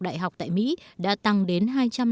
đại học tại mỹ đã tăng đến